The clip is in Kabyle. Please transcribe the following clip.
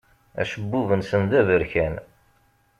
Acebbub-nsen d aberkan.